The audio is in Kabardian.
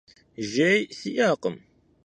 Jjêy si'ekhım.